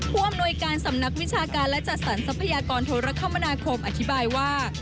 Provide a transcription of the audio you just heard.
ผู้อำนวยการสำนักวิชาการและจัดสรรทรัพยากรโทรคมนาคมอธิบายว่า